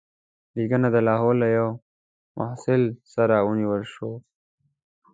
لیکونه د لاهور له یوه محصل سره ونیول شول.